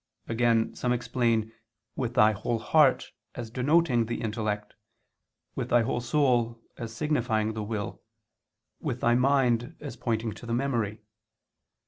Again some explain "with thy whole heart" as denoting the intellect, "with thy whole soul" as signifying the will, "with thy mind" as pointing to the memory.